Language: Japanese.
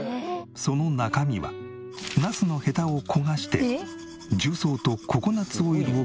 その中身はナスのヘタを焦がして重曹とココナッツオイルを加えた粉。